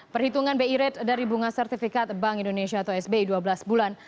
perhitungan bi rate dari bunga sertifikat bank indonesia atau sbi dua belas bulan